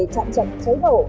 chặn chậm cháy đổ